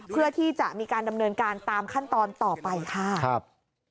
เพื่อที่จะมีการดำเนินการตามขั้นตอนต่อไปค่ะครับ